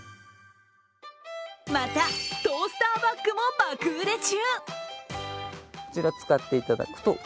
また、トースターバッグも爆売れ中。